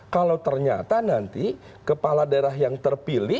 kalau ternyata nanti kepala daerah yang terpilih